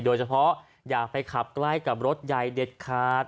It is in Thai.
โดยเฉพาะอย่าไปขับใกล้กับรถใหญ่เด็ดขาด